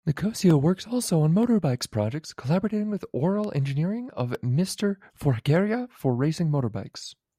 Nicosia works also on motorbikes project collaborating with Oralengineering of Mr.Forghieri for racing motorbikes.